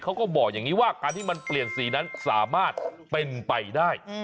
เขาก็บอกอย่างนี้ว่าการที่มันเปลี่ยนสีนั้นสามารถเป็นไปได้